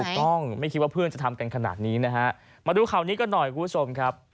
ไม่คิดว่าเพื่อนจะทำกันขนาดนี้นะฮะมาดูข่าวนี้กันหน่อยคุณผู้ชมครับ